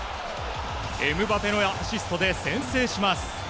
エムバペのアシストで先制します。